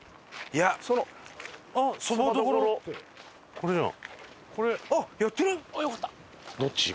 これじゃん。